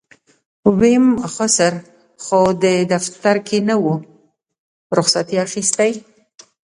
ويم خسر خو دې دفتر کې نه و رخصت يې اخېستی.